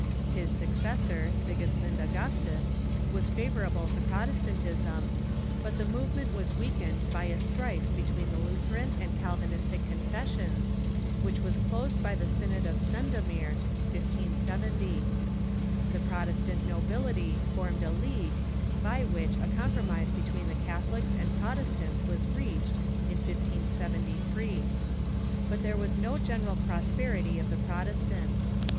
His successor, Sigismund Augustus, Avas favorable to Protestant ism, but the moA^ement Avas Aveakened by a strife between the Lutheran and Calvinistic confessions, Avhich AA'as closed by the Synod of Sendomir, 1570. The Protestant nobility formed a league, by Avhich a compi'omise between the Catholics and Protestants Avas reached, in 1573. But there Avas no general 278 THE KEFOBMATION prosperity of the Protestants.